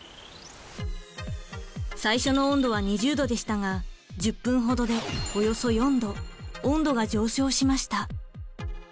最初の温度は２０℃でしたが１０分ほどでおよそ４℃温度が上昇しました。